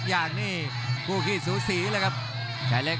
และอัพพิวัตรสอสมนึก